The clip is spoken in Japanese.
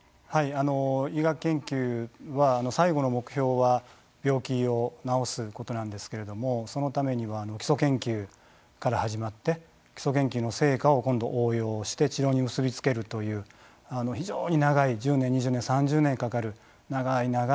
医学研究は最後の目標は病気を治すことなんですけれどもそのためには基礎研究から始まって基礎研究の成果を今度応用して治療に結び付けるという非常に長い１０年２０年３０年かかる長い長い闘いなんですね。